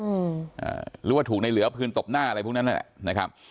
อืมอ่าหรือว่าถูกในเหลือเอาปืนตบหน้าอะไรพวกนั้นนั่นแหละนะครับ